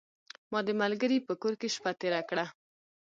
ما د ملګري په کور کې شپه تیره کړه .